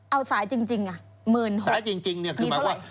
เอาสายจริงน่ะ๑๖๐๐๐มีเท่าไร